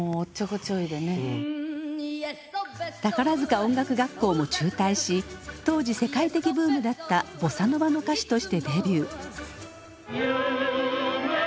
宝塚音楽学校も中退し当時世界的ブームだったボサノバの歌手としてデビュー。